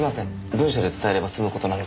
文書で伝えれば済む事なので。